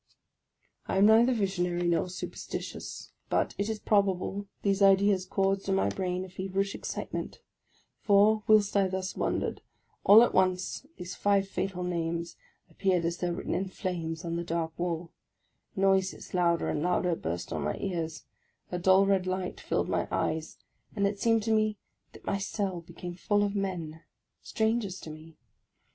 " I am neither visionary nor superstitious, but it is probable these ideas caused in my brain a feverish excitement; for, whilst I thus wandered, all at once these five fatal names ap peared as though written in flames on the dark wall; noises, louder and louder, burst on my ears ; a dull red light filled my eyes, and it seemed to me that my cell became full of men, — strangers to me.